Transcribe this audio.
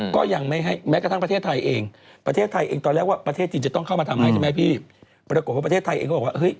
ก็ยังไม่ให้แม้กระทั่งประเทศไทยเอง